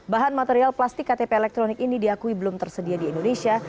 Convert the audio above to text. bahan material plastik ktp elektronik ini diakui belum tersedia di indonesia